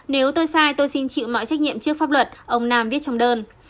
nếu tôi sai tôi xin chịu mọi trách nhiệm trước pháp luật ông nam viết trong đơn